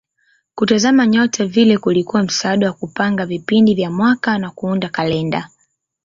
Kutazama nyota vile kulikuwa msaada wa kupanga vipindi vya mwaka na kuunda kalenda.